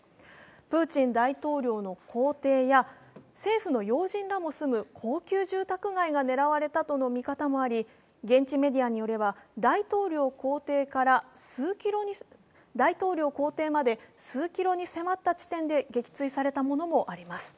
プーチン大統領の公邸や政府の要人らも住む高級住宅街が狙われたとの見方もあり現地メディアによれば大統領公邸まで数キロに迫った距離まで撃墜されたものもあります。